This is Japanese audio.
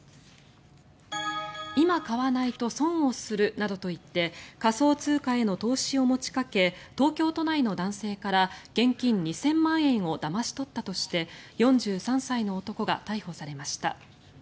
今買わないと損をするなどと言って仮想通貨への投資を持ちかけ東京都内の男性から現金２０００万円をだまし取ったとして４３歳の男が逮捕されました。